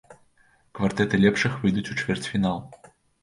Квартэты лепшых выйдуць у чвэрцьфінал.